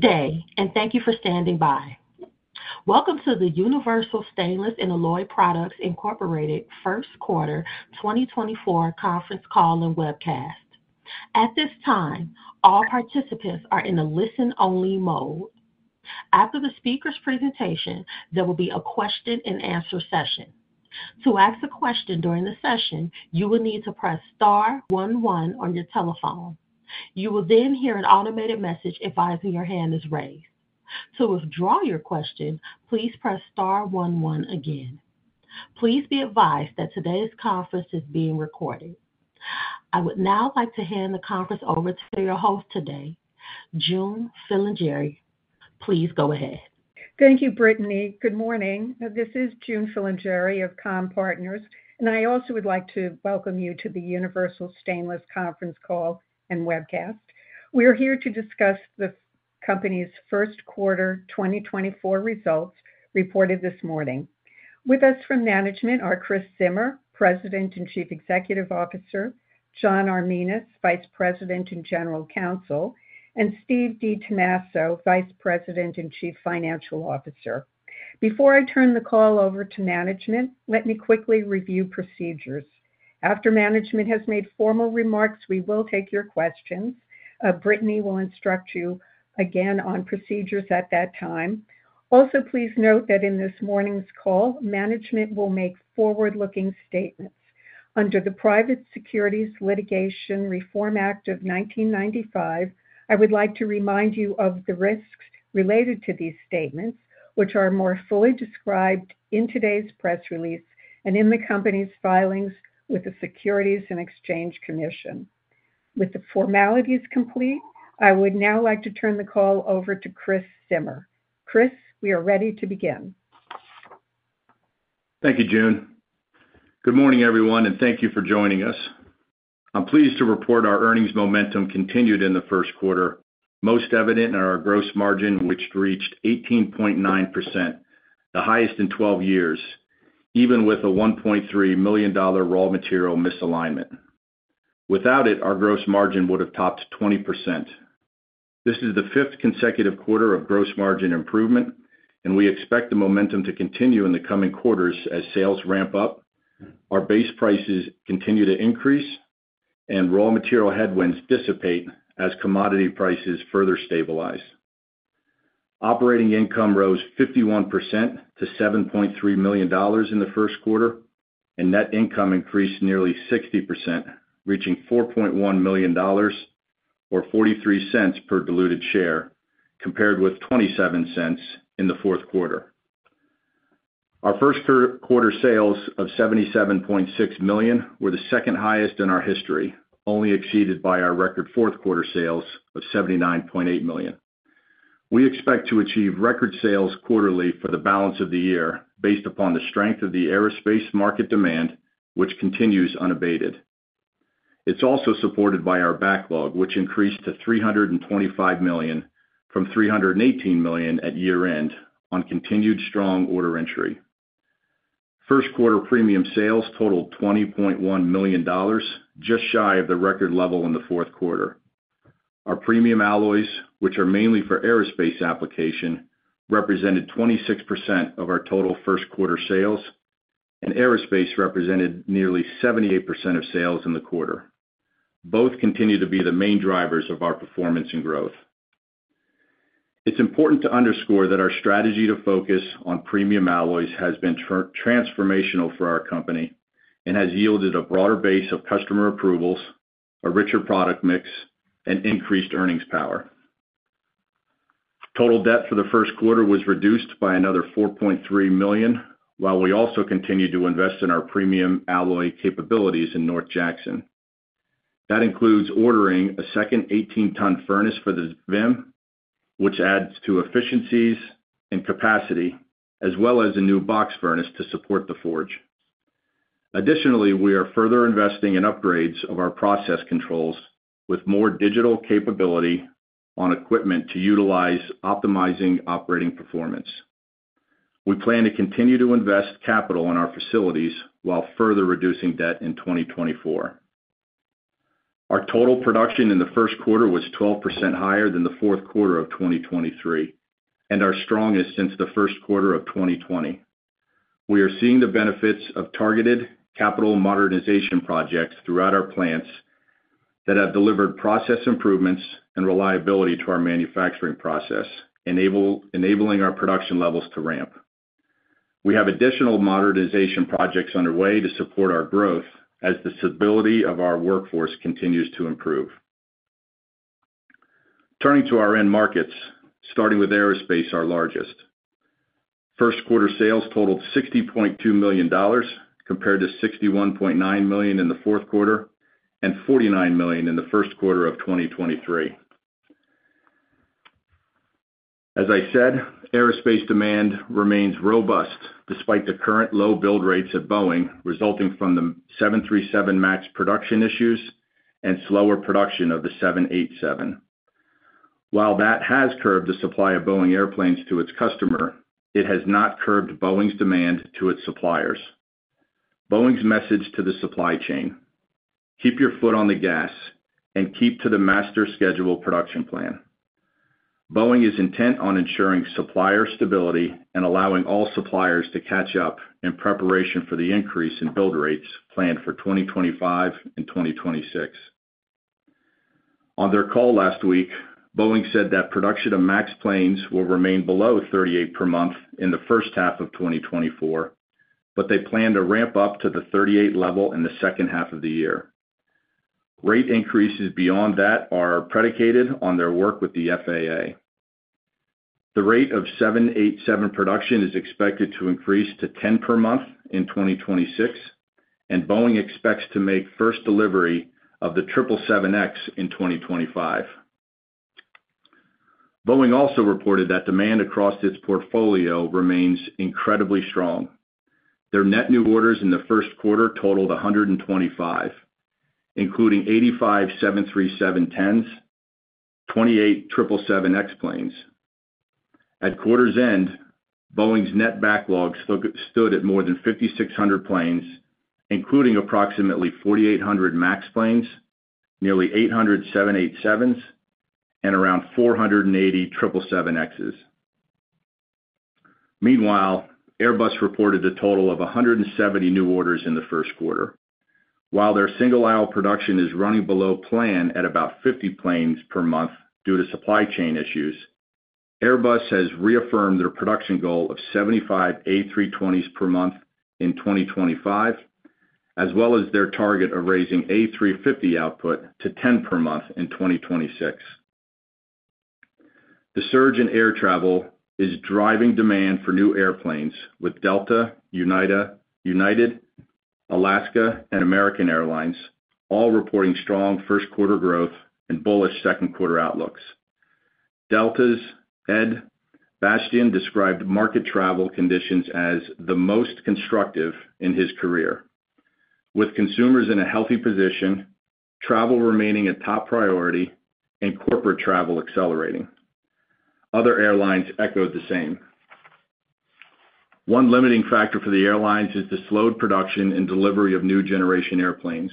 Good day, and thank you for standing by. Welcome to the Universal Stainless and Alloy Products Incorporated First Quarter 2024 Conference Call and Webcast. At this time, all participants are in a listen-only mode. After the speaker's presentation, there will be a Q&A session. To ask a question during the session, you will need to press star one one on your telephone. You will then hear an automated message advising your hand is raised. To withdraw your question, please press star one one again. Please be advised that today's conference is being recorded. I would now like to hand the conference over to your host today, June Filingeri. Please go ahead. Thank you, Brittany. Good morning. This is June Filingeri of Comm-Partners, and I also would like to welcome you to the Universal Stainless Conference Call and Webcast. We are here to discuss the company's first quarter 2024 results reported this morning. With us from management are Chris Zimmer, President and Chief Executive Officer, John Arminas, Vice President and General Counsel, and Steve DiTommaso, Vice President and Chief Financial Officer. Before I turn the call over to management, let me quickly review procedures. After management has made formal remarks, we will take your questions. Brittany will instruct you again on procedures at that time. Also, please note that in this morning's call, management will make forward-looking statements. Under the Private Securities Litigation Reform Act of 1995, I would like to remind you of the risks related to these statements, which are more fully described in today's press release and in the company's filings with the Securities and Exchange Commission. With the formalities complete, I would now like to turn the call over to Chris Zimmer. Chris, we are ready to begin. Thank you, June. Good morning, everyone, and thank you for joining us. I'm pleased to report our earnings momentum continued in the first quarter, most evident in our gross margin, which reached 18.9%, the highest in 12 years, even with a $1.3 million raw material misalignment. Without it, our gross margin would have topped 20%. This is the fifth consecutive quarter of gross margin improvement, and we expect the momentum to continue in the coming quarters as sales ramp up, our base prices continue to increase, and raw material headwinds dissipate as commodity prices further stabilize. Operating income rose 51% to $7.3 million in the first quarter, and net income increased nearly 60%, reaching $4.1 million or $0.43 per diluted share, compared with $0.27 in the fourth quarter. Our first quarter sales of $77.6 million were the second highest in our history, only exceeded by our record fourth quarter sales of $79.8 million. We expect to achieve record sales quarterly for the balance of the year based upon the strength of the aerospace market demand, which continues unabated. It's also supported by our backlog, which increased to $325 million from $318 million at year-end on continued strong order entry. First quarter premium sales totaled $20.1 million, just shy of the record level in the fourth quarter. Our premium alloys, which are mainly for aerospace application, represented 26% of our total first quarter sales, and aerospace represented nearly 78% of sales in the quarter. Both continue to be the main drivers of our performance and growth. It's important to underscore that our strategy to focus on premium alloys has been transformational for our company and has yielded a broader base of customer approvals, a richer product mix, and increased earnings power. Total debt for the first quarter was reduced by another $4.3 million, while we also continued to invest in our premium alloy capabilities in North Jackson. That includes ordering a second 18-ton furnace for the VIM, which adds to efficiencies and capacity, as well as a new box furnace to support the forge. Additionally, we are further investing in upgrades of our process controls with more digital capability on equipment to utilize optimizing operating performance. We plan to continue to invest capital in our facilities while further reducing debt in 2024. Our total production in the first quarter was 12% higher than the fourth quarter of 2023 and our strongest since the first quarter of 2020. We are seeing the benefits of targeted capital modernization projects throughout our plants that have delivered process improvements and reliability to our manufacturing process, enabling our production levels to ramp. We have additional modernization projects underway to support our growth as the stability of our workforce continues to improve. Turning to our end markets, starting with aerospace, our largest. First quarter sales totaled $60.2 million, compared to $61.9 million in the fourth quarter and $49 million in the first quarter of 2023. As I said, aerospace demand remains robust despite the current low build rates at Boeing, resulting from the 737 MAX production issues and slower production of the 787. While that has curbed the supply of Boeing airplanes to its customer, it has not curbed Boeing's demand to its suppliers. Boeing's message to the supply chain: keep your foot on the gas and keep to the master schedule production plan. Boeing is intent on ensuring supplier stability and allowing all suppliers to catch up in preparation for the increase in build rates planned for 2025 and 2026. On their call last week, Boeing said that production of MAX planes will remain below 38 per month in the first half of 2024, but they plan to ramp up to the 38 level in the second half of the year. Rate increases beyond that are predicated on their work with the FAA. The rate of 787 production is expected to increase to 10 per month in 2026, and Boeing expects to make first delivery of the 777X in 2025. Boeing also reported that demand across its portfolio remains incredibly strong. Their net new orders in the first quarter totaled 125, including eighty-five 737-10s, 28 777X planes. At quarter's end, Boeing's net backlog stood at more than 5,600 planes, including approximately 4,800 MAX planes, nearly 800 787s, and around 480 777Xs. Meanwhile, Airbus reported a total of 170 new orders in the first quarter. While their single-aisle production is running below plan at about 50 planes per month due to supply chain issues, Airbus has reaffirmed their production goal of 75 A320s per month in 2025, as well as their target of raising A350 output to 10 per month in 2026. The surge in air travel is driving demand for new airplanes, with Delta, United, Alaska, and American Airlines all reporting strong first quarter growth and bullish second quarter outlooks. Delta's Ed Bastian described market travel conditions as the most constructive in his career, with consumers in a healthy position, travel remaining a top priority, and corporate travel accelerating. Other airlines echoed the same. One limiting factor for the airlines is the slowed production and delivery of new generation airplanes,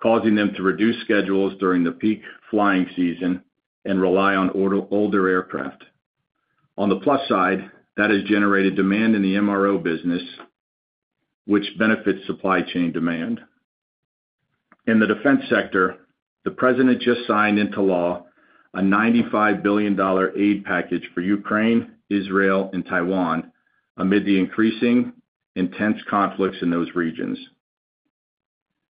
causing them to reduce schedules during the peak flying season and rely on older aircraft. On the plus side, that has generated demand in the MRO business, which benefits supply chain demand. In the defense sector, the President just signed into law a $95 billion aid package for Ukraine, Israel, and Taiwan amid the increasingly intense conflicts in those regions.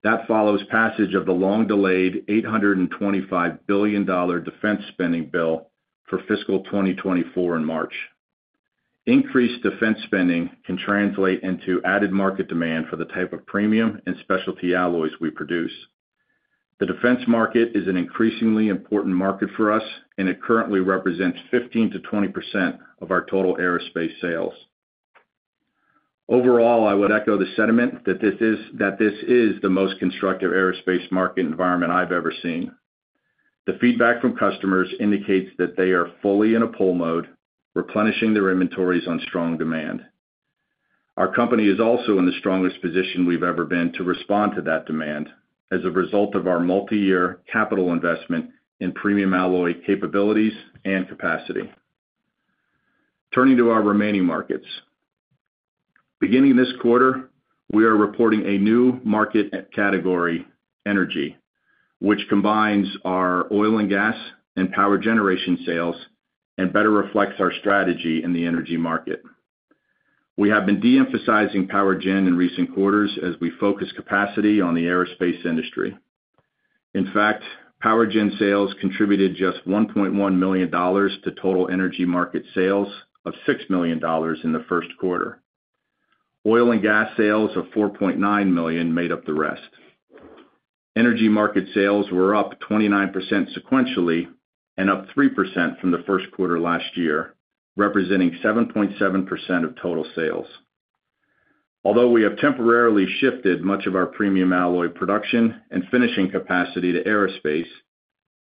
That follows passage of the long-delayed $825 billion defense spending bill for fiscal 2024 in March. Increased defense spending can translate into added market demand for the type of premium and specialty alloys we produce. The defense market is an increasingly important market for us, and it currently represents 15%-20% of our total aerospace sales. Overall, I would echo the sentiment that this is the most constructive aerospace market environment I've ever seen. The feedback from customers indicates that they are fully in a pull mode, replenishing their inventories on strong demand. Our company is also in the strongest position we've ever been to respond to that demand as a result of our multiyear capital investment in premium alloy capabilities and capacity. Turning to our remaining markets. Beginning this quarter, we are reporting a new market category, energy, which combines our oil and gas and power generation sales and better reflects our strategy in the energy market. We have been de-emphasizing power gen in recent quarters as we focus capacity on the aerospace industry. In fact, power gen sales contributed just $1.1 million to total energy market sales of $6 million in the first quarter. Oil and gas sales of $4.9 million made up the rest. Energy market sales were up 29% sequentially and up 3% from the first quarter last year, representing 7.7% of total sales. Although we have temporarily shifted much of our premium alloy production and finishing capacity to aerospace,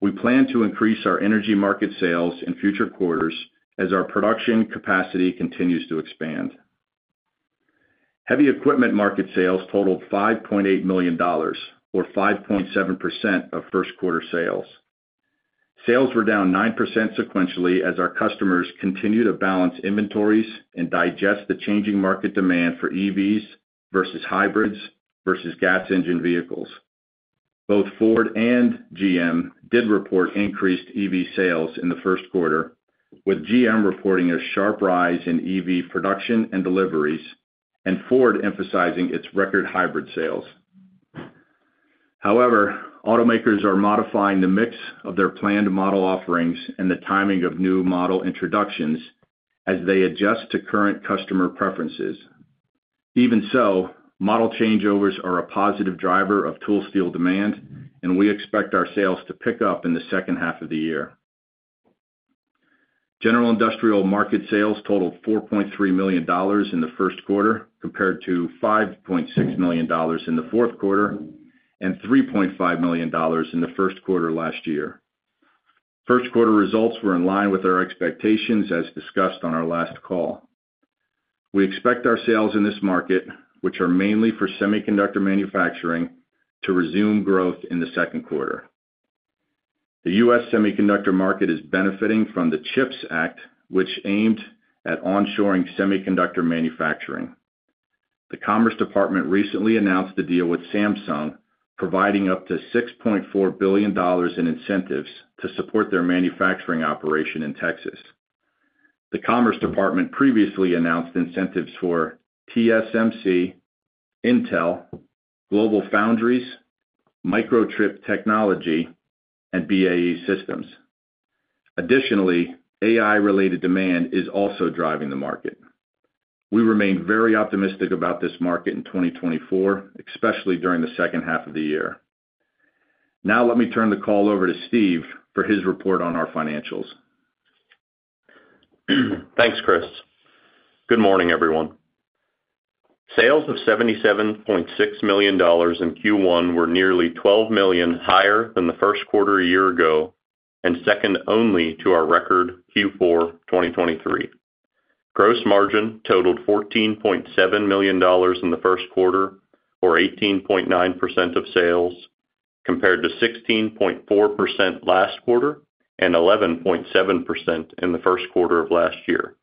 we plan to increase our energy market sales in future quarters as our production capacity continues to expand. Heavy equipment market sales totaled $5.8 million, or 5.7% of first quarter sales. Sales were down 9% sequentially, as our customers continue to balance inventories and digest the changing market demand for EVs versus hybrids versus gas engine vehicles. Both Ford and GM did report increased EV sales in the first quarter, with GM reporting a sharp rise in EV production and deliveries, and Ford emphasizing its record hybrid sales. However, automakers are modifying the mix of their planned model offerings and the timing of new model introductions as they adjust to current customer preferences. Even so, model changeovers are a positive driver of tool steel demand, and we expect our sales to pick up in the second half of the year. General Industrial market sales totaled $4.3 million in the first quarter, compared to $5.6 million in the fourth quarter and $3.5 million in the first quarter last year. First quarter results were in line with our expectations, as discussed on our last call. We expect our sales in this market, which are mainly for semiconductor manufacturing, to resume growth in the second quarter. The US semiconductor market is benefiting from the CHIPS Act, which aimed at onshoring semiconductor manufacturing. The Commerce Department recently announced a deal with Samsung, providing up to $6.4 billion in incentives to support their manufacturing operation in Texas. The Commerce Department previously announced incentives for TSMC, Intel, GlobalFoundries, Microchip Technology, and BAE Systems. Additionally, AI-related demand is also driving the market. We remain very optimistic about this market in 2024, especially during the second half of the year. Now let me turn the call over to Steve for his report on our financials. Thanks, Chris. Good morning, everyone. Sales of $77.6 million in Q1 were nearly $12 million higher than the first quarter a year ago, and second only to our record Q4 2023. Gross margin totaled $14.7 million in the first quarter, or 18.9% of sales, compared to 16.4% last quarter and 11.7% in the first quarter of last year.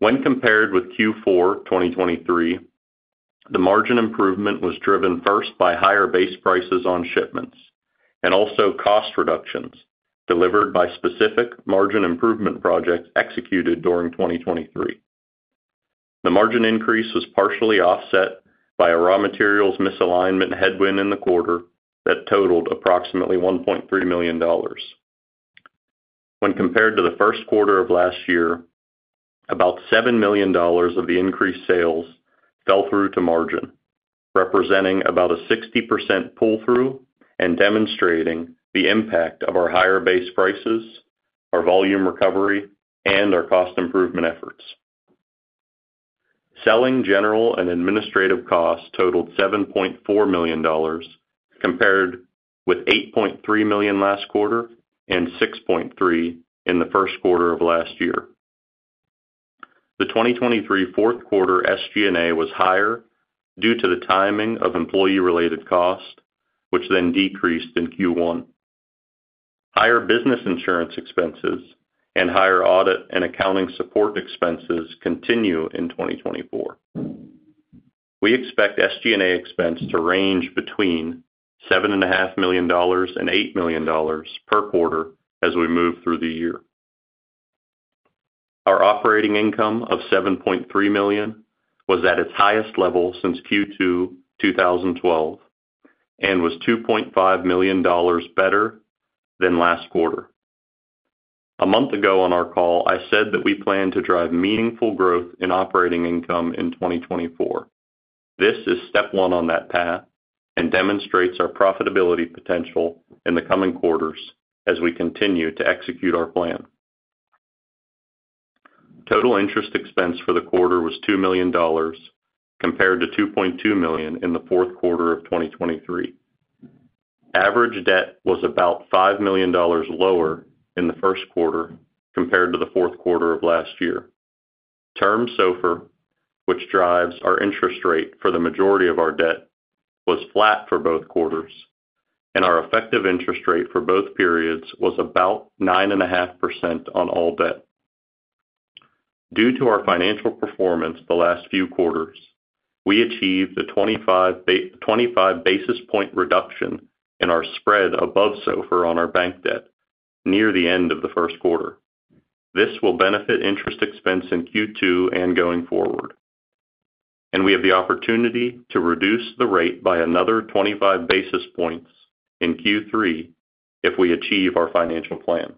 When compared with Q4 2023, the margin improvement was driven first by higher base prices on shipments and also cost reductions delivered by specific margin improvement projects executed during 2023. The margin increase was partially offset by a raw materials misalignment headwind in the quarter that totaled approximately $1.3 million. When compared to the first quarter of last year, about $7 million of the increased sales fell through to margin, representing about a 60% pull-through and demonstrating the impact of our higher base prices, our volume recovery, and our cost improvement efforts. Selling general and administrative costs totaled $7.4 million, compared with $8.3 million last quarter and $6.3 million in the first quarter of last year. The 2023 fourth quarter SG&A was higher due to the timing of employee-related costs, which then decreased in Q1. Higher business insurance expenses and higher audit and accounting support expenses continue in 2024. We expect SG&A expense to range between $7.5 million and $8 million per quarter as we move through the year. Our operating income of $7.3 million was at its highest level since Q2 2012, and was $2.5 million better than last quarter. A month ago on our call, I said that we plan to drive meaningful growth in operating income in 2024. This is step one on that path and demonstrates our profitability potential in the coming quarters as we continue to execute our plan. Total interest expense for the quarter was $2 million, compared to $2.2 million in the fourth quarter of 2023. Average debt was about $5 million lower in the first quarter compared to the fourth quarter of last year. Term SOFR, which drives our interest rate for the majority of our debt, was flat for both quarters, and our effective interest rate for both periods was about 9.5% on all debt. Due to our financial performance the last few quarters, we achieved a 25 basis point reduction in our spread above SOFR on our bank debt near the end of the first quarter. This will benefit interest expense in Q2 and going forward, and we have the opportunity to reduce the rate by another 25 basis points in Q3 if we achieve our financial plan.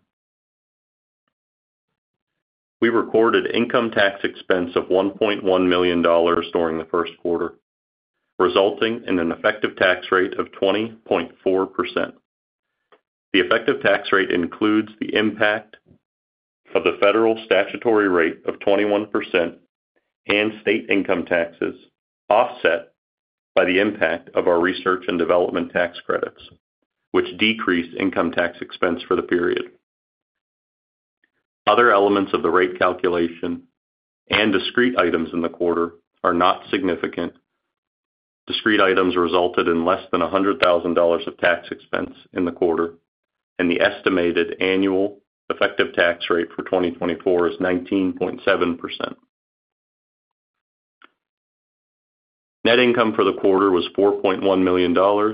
We recorded income tax expense of $1.1 million during the first quarter, resulting in an effective tax rate of 20.4%. The effective tax rate includes the impact of the federal statutory rate of 21% and state income taxes, offset by the impact of our research and development tax credits, which decreased income tax expense for the period. Other elements of the rate calculation and discrete items in the quarter are not significant. Discrete items resulted in less than $100,000 of tax expense in the quarter, and the estimated annual effective tax rate for 2024 is 19.7%. Net income for the quarter was $4.1 million, or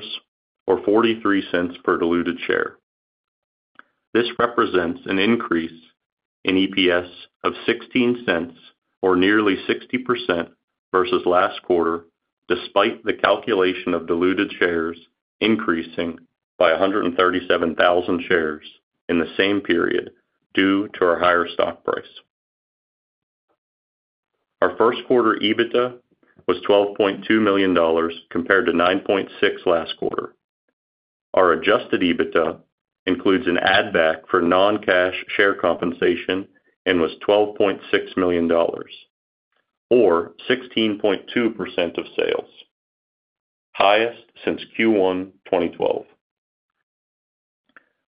$0.43 per diluted share. This represents an increase in EPS of $0.16 or nearly 60% versus last quarter, despite the calculation of diluted shares increasing by 137,000 shares in the same period due to our higher stock price. Our first quarter EBITDA was $12.2 million, compared to $9.6 million last quarter. Our adjusted EBITDA includes an add-back for non-cash share compensation and was $12.6 million, or 16.2% of sales... highest since Q1 2012.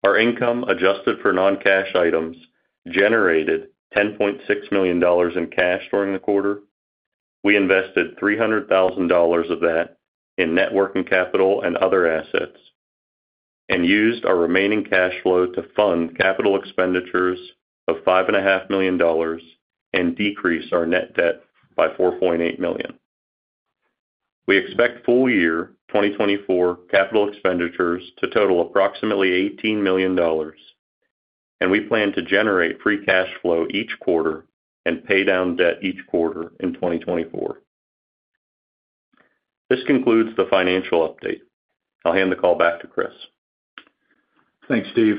Our income, adjusted for non-cash items, generated $10.6 million in cash during the quarter. We invested $300,000 of that in net working capital and other assets, and used our remaining cash flow to fund capital expenditures of $5.5 million and decrease our net debt by $4.8 million. We expect full year 2024 capital expenditures to total approximately $18 million, and we plan to generate free cash flow each quarter and pay down debt each quarter in 2024. This concludes the financial update. I'll hand the call back to Chris. Thanks, Steve.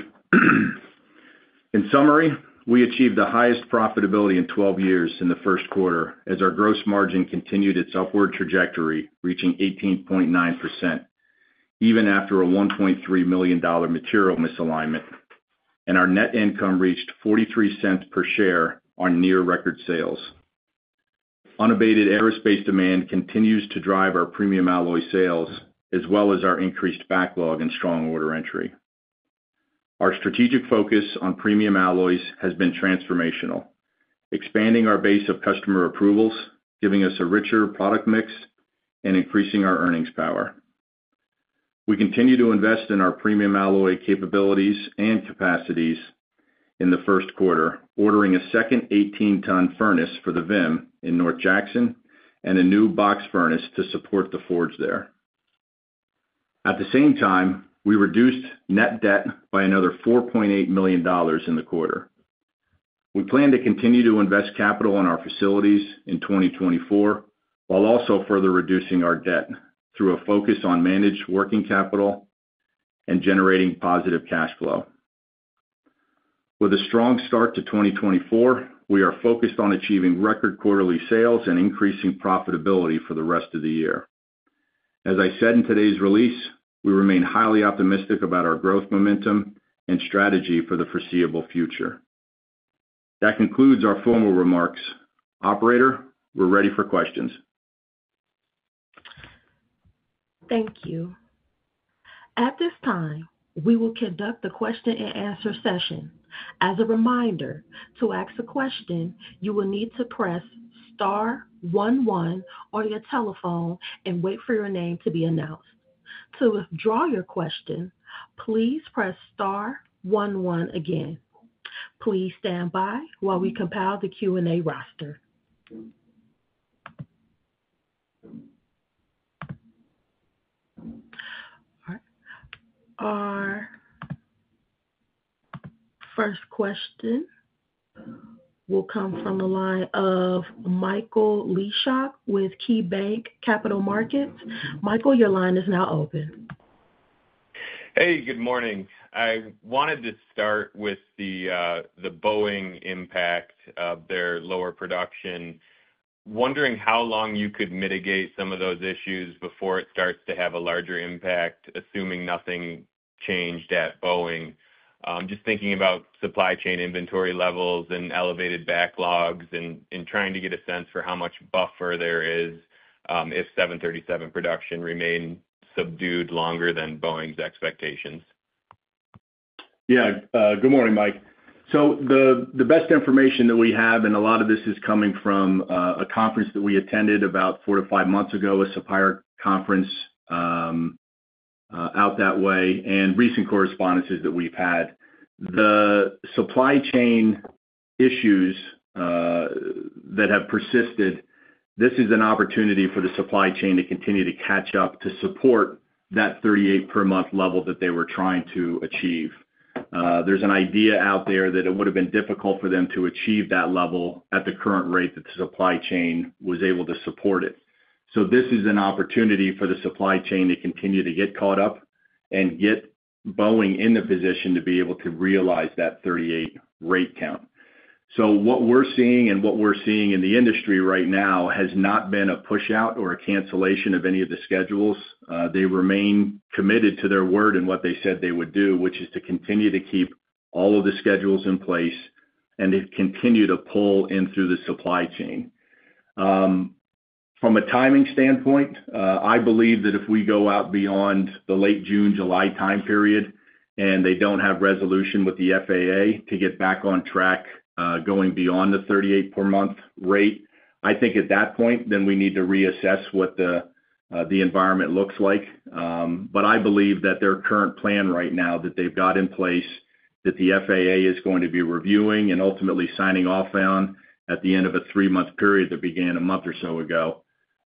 In summary, we achieved the highest profitability in 12 years in the first quarter as our gross margin continued its upward trajectory, reaching 18.9%, even after a $1.3 million material misalignment, and our net income reached $0.43 per share on near record sales. Unabated aerospace demand continues to drive our premium alloy sales, as well as our increased backlog and strong order entry. Our strategic focus on premium alloys has been transformational, expanding our base of customer approvals, giving us a richer product mix and increasing our earnings power. We continue to invest in our premium alloy capabilities and capacities in the first quarter, ordering a second 18-ton furnace for the VIM in North Jackson and a new box furnace to support the forge there. At the same time, we reduced net debt by another $4.8 million in the quarter. We plan to continue to invest capital in our facilities in 2024, while also further reducing our debt through a focus on managed working capital and generating positive cash flow. With a strong start to 2024, we are focused on achieving record quarterly sales and increasing profitability for the rest of the year. As I said in today's release, we remain highly optimistic about our growth, momentum, and strategy for the foreseeable future. That concludes our formal remarks. Operator, we're ready for questions. Thank you. At this time, we will conduct the question and answer session. As a reminder, to ask a question, you will need to press star one one on your telephone and wait for your name to be announced. To withdraw your question, please press star one one again. Please stand by while we compile the Q&A roster. Our first question will come from the line of Michael Leshock with KeyBanc Capital Markets. Michael, your line is now open. Hey, good morning. I wanted to start with the Boeing impact of their lower production. Wondering how long you could mitigate some of those issues before it starts to have a larger impact, assuming nothing changed at Boeing? Just thinking about supply chain inventory levels and elevated backlogs and trying to get a sense for how much buffer there is, if 737 production remains subdued longer than Boeing's expectations. Yeah, good morning, Mike. So the best information that we have, and a lot of this is coming from a conference that we attended about 4-5 months ago, a supplier conference, out that way, and recent correspondences that we've had. The supply chain issues that have persisted, this is an opportunity for the supply chain to continue to catch up to support that 38 per month level that they were trying to achieve. There's an idea out there that it would have been difficult for them to achieve that level at the current rate that the supply chain was able to support it. So this is an opportunity for the supply chain to continue to get caught up and get Boeing in the position to be able to realize that 38 rate count. So what we're seeing and what we're seeing in the industry right now has not been a pushout or a cancellation of any of the schedules. They remain committed to their word and what they said they would do, which is to continue to keep all of the schedules in place and to continue to pull in through the supply chain. From a timing standpoint, I believe that if we go out beyond the late June, July time period, and they don't have resolution with the FAA to get back on track, going beyond the 38 per month rate, I think at that point, then we need to reassess what the, the environment looks like. But I believe that their current plan right now, that they've got in place, that the FAA is going to be reviewing and ultimately signing off on at the end of a three-month period that began a month or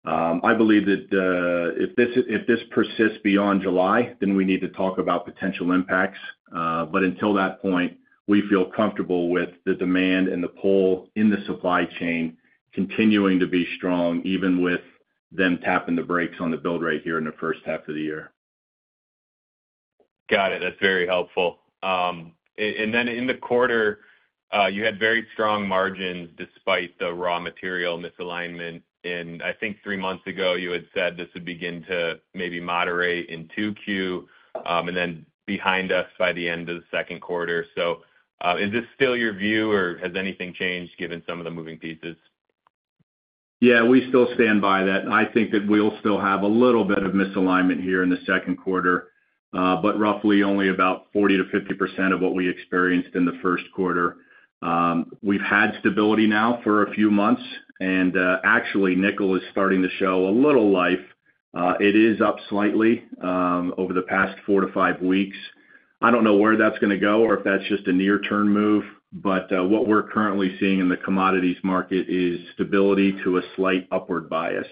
so ago. I believe that, if this persists beyond July, then we need to talk about potential impacts. But until that point, we feel comfortable with the demand and the pull in the supply chain continuing to be strong, even with them tapping the brakes on the build rate here in the first half of the year. Got it. That's very helpful. And then in the quarter, you had very strong margins despite the raw material misalignment, and I think three months ago, you had said this would begin to maybe moderate in 2Q, and then behind us by the end of the second quarter. So, is this still your view, or has anything changed given some of the moving pieces? Yeah, we still stand by that. I think that we'll still have a little bit of misalignment here in the second quarter, but roughly only about 40%-50% of what we experienced in the first quarter. We've had stability now for a few months, and actually, nickel is starting to show a little life. It is up slightly over the past 4-5 weeks. I don't know where that's gonna go or if that's just a near-term move, but what we're currently seeing in the commodities market is stability to a slight upward bias.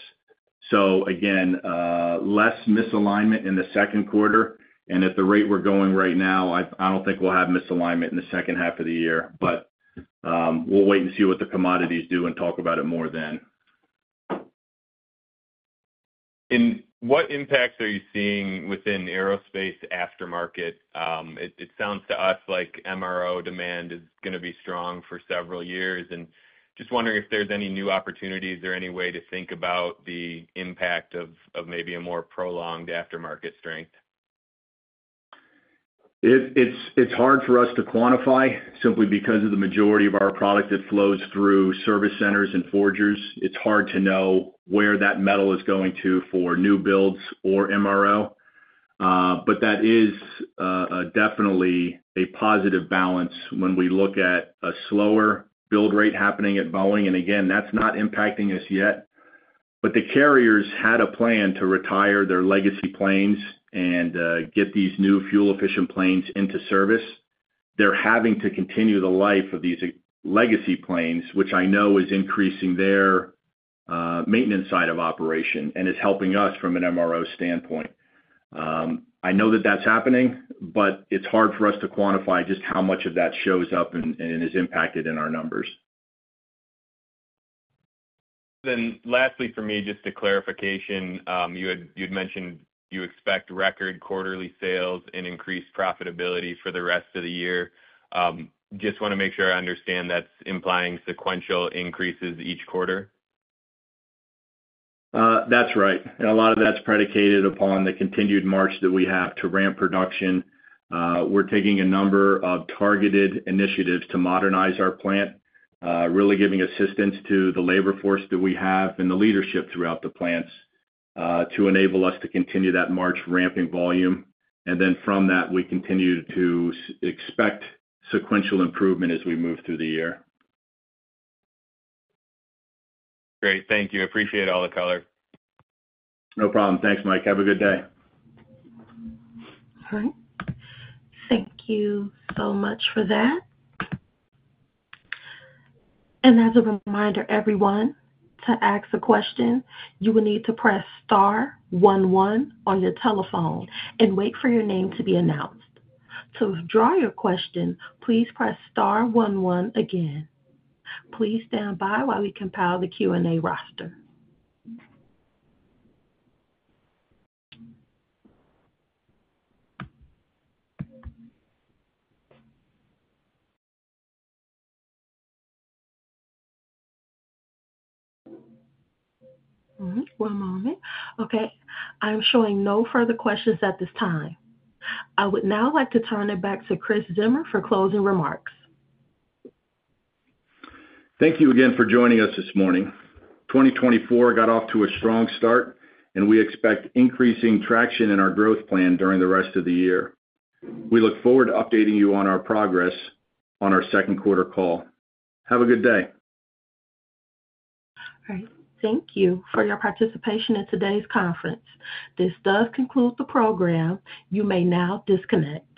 So again, less misalignment in the second quarter, and at the rate we're going right now, I don't think we'll have misalignment in the second half of the year. But, we'll wait and see what the commodities do and talk about it more then. What impacts are you seeing within aerospace aftermarket? It sounds to us like MRO demand is gonna be strong for several years, and just wondering if there's any new opportunities or any way to think about the impact of maybe a more prolonged aftermarket strength. It's it's hard for us to quantify simply because of the majority of our product that flows through service centers and forgers. It's hard to know where that metal is going to for new builds or MRO. But that is definitely a positive balance when we look at a slower build rate happening at Boeing. And again, that's not impacting us yet, but the carriers had a plan to retire their legacy planes and get these new fuel-efficient planes into service. They're having to continue the life of these legacy planes, which I know is increasing their maintenance side of operation and is helping us from an MRO standpoint. I know that that's happening, but it's hard for us to quantify just how much of that shows up and is impacted in our numbers. Then lastly, for me, just a clarification. You'd mentioned you expect record quarterly sales and increased profitability for the rest of the year. Just wanna make sure I understand, that's implying sequential increases each quarter? That's right. A lot of that's predicated upon the continued march that we have to ramp production. We're taking a number of targeted initiatives to modernize our plant, really giving assistance to the labor force that we have and the leadership throughout the plants, to enable us to continue that march ramping volume. And then from that, we continue to expect sequential improvement as we move through the year. Great. Thank you. Appreciate all the color. No problem. Thanks, Mike. Have a good day. All right. Thank you so much for that. And as a reminder, everyone, to ask a question, you will need to press star one one on your telephone and wait for your name to be announced. To withdraw your question, please press star one one again. Please stand by while we compile the Q&A roster. All right. One moment. Okay, I'm showing no further questions at this time. I would now like to turn it back to Chris Zimmer for closing remarks. Thank you again for joining us this morning. 2024 got off to a strong start, and we expect increasing traction in our growth plan during the rest of the year. We look forward to updating you on our progress on our second quarter call. Have a good day. All right. Thank you for your participation in today's conference. This does conclude the program. You may now disconnect.